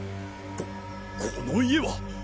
ここの家は！